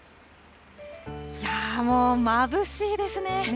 もう、まぶしいですね。